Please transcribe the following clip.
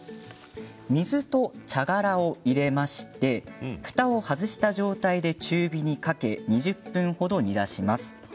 水と茶殻を入れましてふたを外した状態で中火にかけ２０分ほど煮出します。